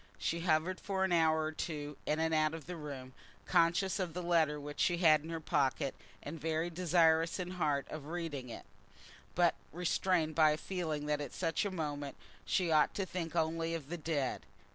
She hovered for an hour or two in and out of the room, conscious of the letter which she had in her pocket, and very desirous in heart of reading it, but restrained by a feeling that at such a moment she ought to think only of the dead.